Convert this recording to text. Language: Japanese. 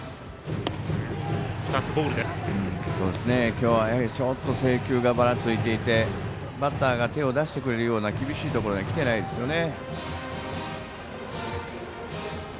今日は、やはりちょっと制球がばらついていてバッターが手を出してくれるような厳しいところにはきてないですね。